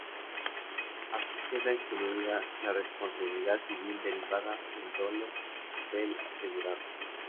Así queda excluida la responsabilidad civil derivada del dolo del asegurado.